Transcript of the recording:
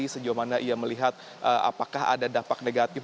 sejauh mana ia melihat apakah ada dampak negatif